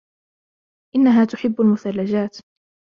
إنها تحب المثلجات.